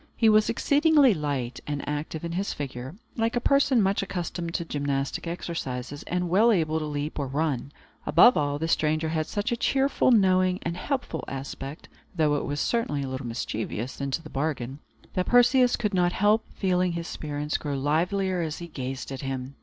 He was exceedingly light and active in his figure, like a person much accustomed to gymnastic exercises, and well able to leap or run. Above all, the stranger had such a cheerful, knowing, and helpful aspect (though it was certainly a little mischievous, into the bargain), that Perseus could not help feeling his spirits grow livelier as he gazed at him.